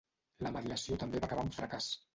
La mediació també va acabar en fracàs.